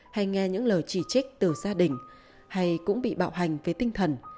hay nghe những lời chỉ trích từ gia đình hay cũng bị bạo hành với tinh thần